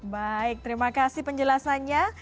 baik terima kasih penjelasannya